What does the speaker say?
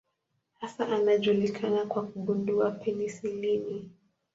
Hasa anajulikana kwa kugundua penisilini.